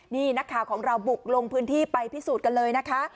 นี่นักข่าวของเราบุกลงพื้นที่ไปพิสูจน์กันเลยนะคะ